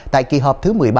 tại kỳ họp thứ một mươi ba